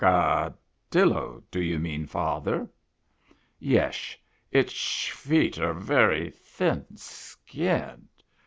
..""... adillo do you mean, father ?"" Yesh. Itsh feet are very thin skinned.